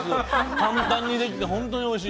簡単にできて、本当においしい。